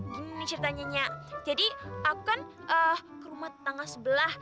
gini ceritanya jadi aku kan ke rumah tangga sebelah